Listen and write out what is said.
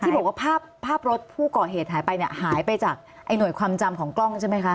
บอกว่าภาพรถผู้ก่อเหตุหายไปเนี่ยหายไปจากไอ้หน่วยความจำของกล้องใช่ไหมคะ